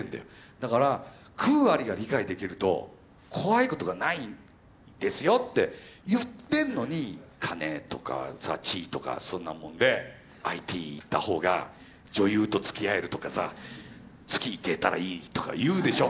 だから「空あり」が理解できると怖いことがないんですよって言ってんのに金とかさ地位とかそんなもんでＩＴ行った方が女優とつきあえるとかさ月行けたらいいとか言うでしょ？